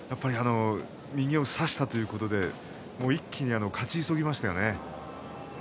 右を差したということで一気に勝ち急ぎましたね。